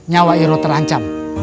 nyawa irod terancam